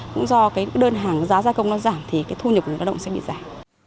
cũng do cái đơn hàng giá gia công nó giảm thì cái thu nhập của người lao động sẽ bị giảm